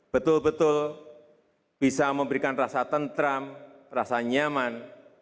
betul betul bisa memberikan rasa tentram rasa nyaman